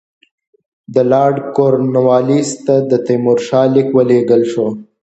د لارډ کورنوالیس ته د تیمورشاه لیک ولېږل شو.